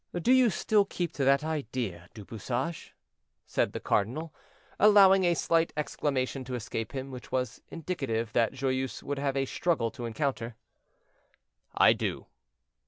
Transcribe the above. "Do you still keep to that idea, Du Bouchage?" said the cardinal, allowing a slight exclamation to escape him, which was indicative that Joyeuse would have a struggle to encounter. "I do."